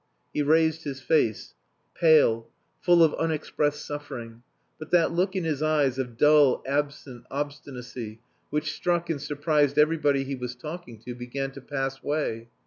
He raised his face, pale, full of unexpressed suffering. But that look in his eyes of dull, absent obstinacy, which struck and surprised everybody he was talking to, began to pass away.